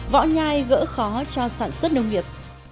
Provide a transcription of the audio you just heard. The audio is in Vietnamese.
võ nhai gỡ khó cho sản xuất nông nghiệp